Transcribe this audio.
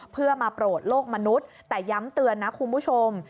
เพื่อมาโปรดโลกมนุษย์แต่ย้ำเตือนนะคุณผู้ชม